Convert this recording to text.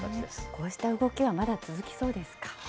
こうした動きはまだ続きそうですか？